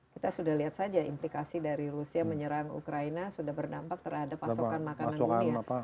kita sudah lihat saja implikasi dari rusia menyerang ukraina sudah berdampak terhadap pasokan makanan dunia